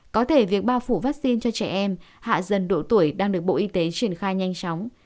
có thể việc bao phủ vaccine cho trẻ em hạ dần độ tuổi đang được bộ y tế triển khai nhanh chóng